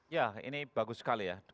ya ini bagus sekali ya